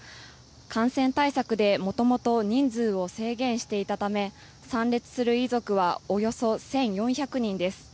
感染対策で元々人数を制限していたため参列する遺族はおよそ１４００人です。